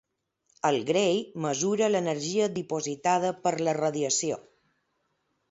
El gray mesura l'energia dipositada per la radiació.